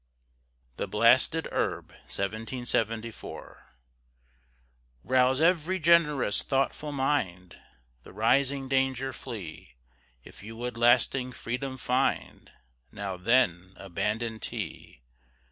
THE BLASTED HERB Rouse every generous, thoughtful mind, The rising danger flee, If you would lasting freedom find, Now then abandon tea.